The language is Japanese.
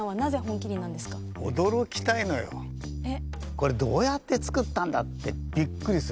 これどうやって作ったんだってびっくりする。